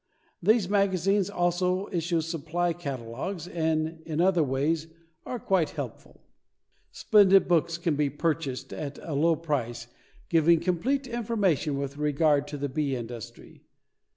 These magazines also issue supply catalogues and in other ways are quite helpful. Splendid books can be purchased at a low price giving complete information with regard to the bee industry.